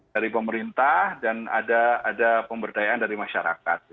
dari pemerintah dan ada pemberdayaan dari masyarakat